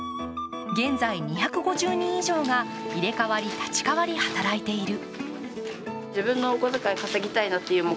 現在２５０人以上が入れ替わり立ち替わり働いている。